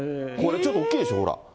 これ、ちょっと大きいでしょ、ほら。